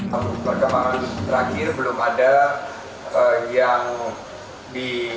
untuk perkembangan terakhir belum ada yang di